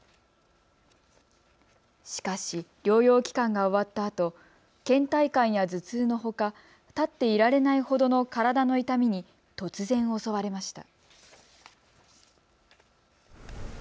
しかし、療養期間が終わったあとけん怠感や頭痛のほか立っていられないほどの体の痛みに突然、襲われました。